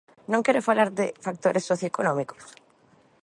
¿Non quere falar de factores socioeconómicos?